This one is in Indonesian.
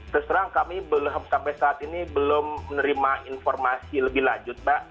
terus terang kami sampai saat ini belum menerima informasi lebih lanjut mbak